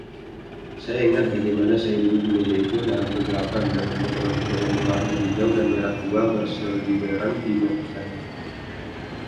Saya ingat bagaimana saya duduk di meja itu dalam kegelapan, dengan potongan-potongan berwarna hijau dan merah tua berseliweran di mata saya.